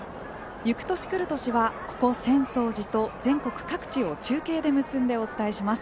「ゆく年くる年」はここ浅草寺と全国各地を中継で結んでお伝えします。